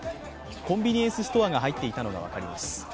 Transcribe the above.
コンビニエンスストアが入っていたのがわかります。